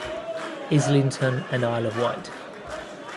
Islington and Isle of Wight